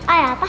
oh ya pak